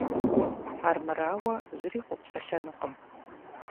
Армырауэ, зыри къопсэлъэнукъым.